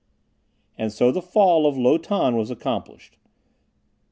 And so the fall of Lo Tan was accomplished.